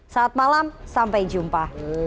saat malam sampai jumpa